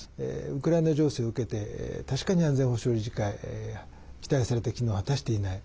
ウクライナ情勢を受けて確かに安全保障理事会期待された機能を果たしていない。